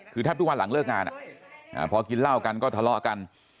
คือแทบทุกวันหลังเลิกงานพอกินเหล้ากันก็ทะเลาะกัน